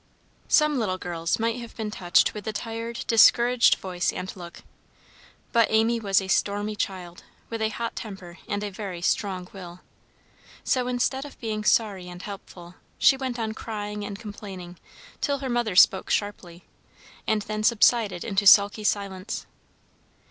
Some little girls might have been touched with the tired, discouraged voice and look, but Amy was a stormy child, with a hot temper and a very strong will. So instead of being sorry and helpful, she went on crying and complaining, till her mother spoke sharply, and then subsided into sulky silence.